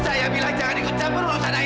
saya bilang jangan ikut capur urusan aini